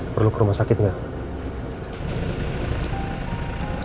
perlu ke rumah sakit nggak